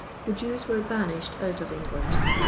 the Jews were banished out of England.